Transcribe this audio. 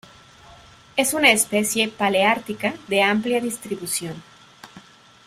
Es una especie paleártica de amplia distribución.